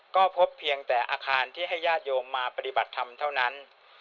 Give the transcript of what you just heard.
ก็พบเพียงแต่อาคารที่ให้ญาติโยมมาปฏิบัติธรรมเท่านั้น